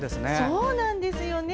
そうなんですよね。